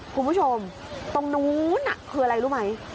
คุณผู้ชมตรงนู้นคืออะไรรู้ไหม